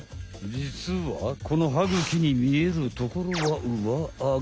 じつはこの歯茎にみえるところはうわアゴ。